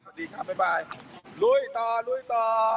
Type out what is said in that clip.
สวัสดีค่ะบ๊ายบายลุยต่อลุยต่อ